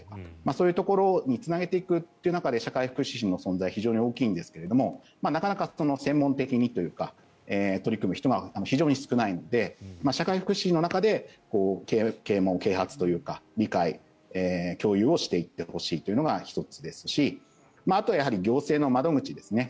そういうところにつなげていくという中で社会福祉士の存在は非常に大きいんですけれどなかなか専門的にというか取り組む人が非常に少ないので社会福祉士の中で啓もう、啓発というか理解、共有をしていってほしいというのが１つですしあとはやはり行政の窓口ですね。